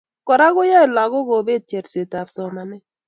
Kora koyai lagok kobeet chersetab somanet